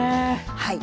はい。